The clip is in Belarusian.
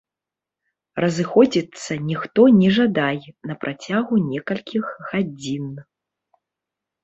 Разыходзіцца ніхто не жадай на працягу некалькіх гадзін.